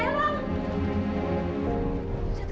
satria ini apa sih